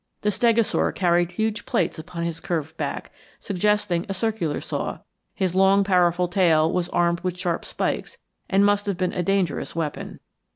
The stegosaur carried huge plates upon his curved back, suggesting a circular saw; his long powerful tail was armed with sharp spikes, and must have been a dangerous weapon.